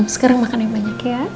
sekarang makan yang banyak ya